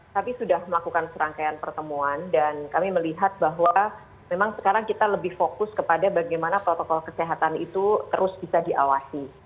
tapi sudah melakukan serangkaian pertemuan dan kami melihat bahwa memang sekarang kita lebih fokus kepada bagaimana protokol kesehatan itu terus bisa diawasi